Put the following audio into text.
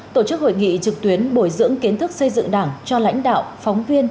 tổ chức hội nghị trực tuyến bồi dưỡng kiến thức xây dựng đảng cho lãnh đạo phóng viên